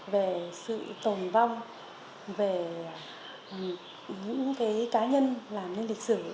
về sự tồn vong về những cái cá nhân làm nên lịch sử